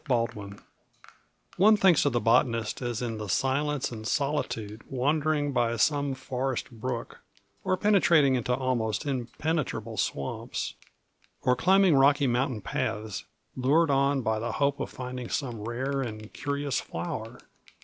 Baldwin One thinks of the botanist as in silence and solitude wandering by some forest brook, or penetrating into almost impenetrable swamps, or climbing rocky mountain paths, lured on by the hope of finding some rare and curious flower.